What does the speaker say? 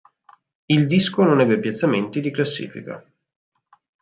Il disco non ebbe piazzamenti di classifica.